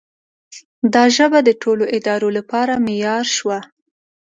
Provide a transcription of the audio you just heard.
دا ژبه د ټولو ادارو لپاره معیار شوه.